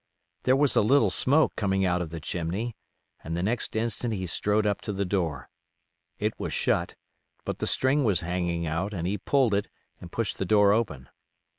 There was a little smoke coming out of the chimney, and the next instant he strode up to the door. It was shut, but the string was hanging out and he pulled it and pushed the door open.